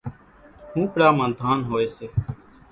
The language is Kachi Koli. ۿونپڙا مان ڌان ھوئي سي،